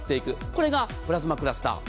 これがプラズマクラスター。